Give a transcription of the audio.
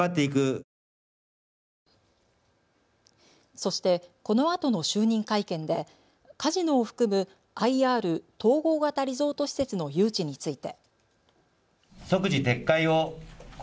そして、このあとの就任会見でカジノを含むＩＲ・統合型リゾート施設の誘致について。